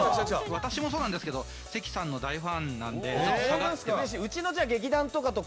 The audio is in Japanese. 私もそうなんですけど関さんの大ファンなのでちょっと下がって。